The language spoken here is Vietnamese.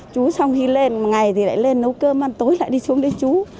chú xong khi lên ngày thì lại lên nấu cơm ăn tối lại đi xuống đây chú